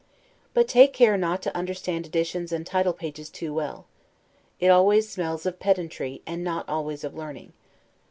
But take care not to understand editions and title pages too well. It always smells of pedantry, and not always of learning.